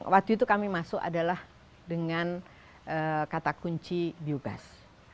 waktu itu kami masuk adalah dengan kata kunci biogas